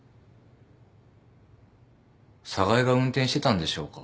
寒河江が運転してたんでしょうか？